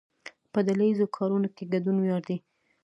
په ډله ایزو کارونو کې ګډون ویاړ دی.